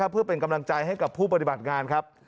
เพื่อเป็นกำลังใจให้กับผู้ปฏิบัติงานครับ